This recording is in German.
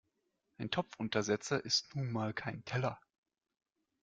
Ein Topfuntersetzer ist nun mal kein Teller.